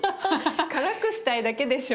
辛くしたいだけでしょ？